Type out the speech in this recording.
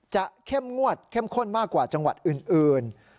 เข้มงวดเข้มข้นมากกว่าจังหวัดอื่น